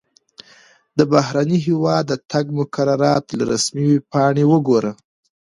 د بهرني هیواد د تګ مقررات له رسمي ویبپاڼې وګوره.